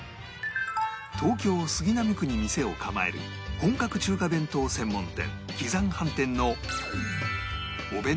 東京杉並区に店を構える本格中華弁当専門店